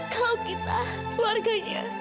kalau kita keluarganya